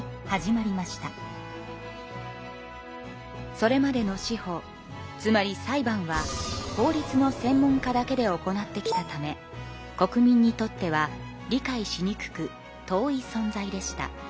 それまでの司法つまり裁判は法律の専門家だけで行ってきたため国民にとっては理解しにくく遠い存在でした。